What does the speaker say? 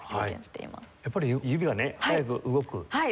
やっぱり指はね速く動く？